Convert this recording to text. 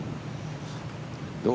どう？